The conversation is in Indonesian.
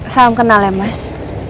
salam kenal ya mas